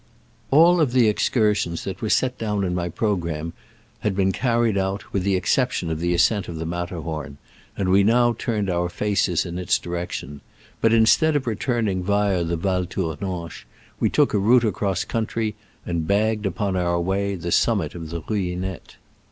All of the excursions that were set down in my programme had been car ried out, with the exception of the ascent of the Matterhorn, and we now turned our faces in its direction, but instead of re turning via the Val Tournanche, we took a route across country, and bagged upon our way the summit of the Ruinette.